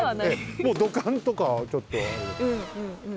もう土管とかちょっとあれ。